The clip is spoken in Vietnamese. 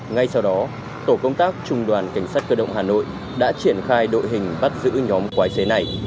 ngay sau đó tổ công tác trung đoàn cảnh sát cơ động hà nội đã triển khai đội hình bắt giữ nhóm quái xế này